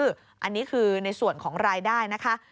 อันนี้คือในส่วนของรายได้นะคะ